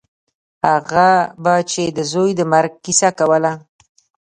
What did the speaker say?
هغه به چې د زوى د مرګ کيسه کوله.